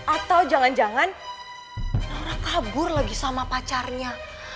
atau jangan jangan orang kabur lagi sama pacarnya